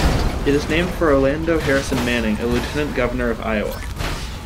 It is named for Orlando Harrison Manning, a Lieutenant Governor of Iowa.